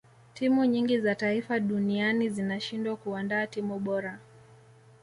timu nyingi za taifa duninai zinashindwa kuandaa timu bora